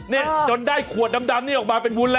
นี่จนได้ขวดดำนี่ออกมาเป็นวุ้นแล้ว